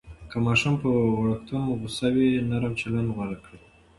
که ماشوم پر وړکتون غوصه وي، نرم چلند غوره کړئ.